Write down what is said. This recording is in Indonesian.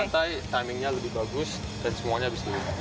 santai timing nya lebih bagus dan semuanya bisa lurus